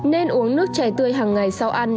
nên uống nước chè tươi hàng ngày sau ăn